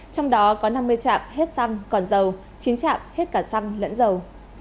trong đó có năm mươi trạm hết xăng còn dầu chín chạm hết cả xăng lẫn dầu